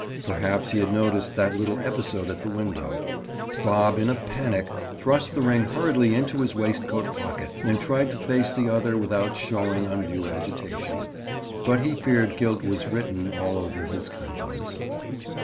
Perhaps he had noticed that little episode at the window. Bob, in a panic, thrust the ring hurriedly into his waistcoat pocket and tried to face the other without showing undue agitation, but he feared guilt was written all over his countenance.